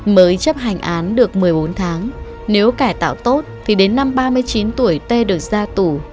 mới chấp hành án được một mươi bốn tháng nếu cải tạo tốt thì đến năm ba mươi chín tuổi t được ra tù